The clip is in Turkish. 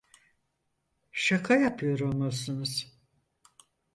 Şaka yapıyor olmalısınız!